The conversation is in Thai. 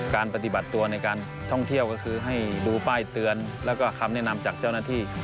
ปฏิบัติตัวในการท่องเที่ยวก็คือให้ดูป้ายเตือนแล้วก็คำแนะนำจากเจ้าหน้าที่